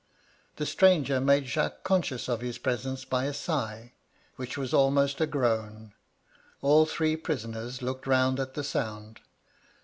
The stranger made Jacques conscious of his presence by a sigh, which was almost a groaa All three prisoners looked round at the sound.